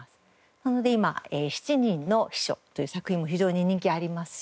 なので今『七人の秘書』という作品も非常に人気ありますし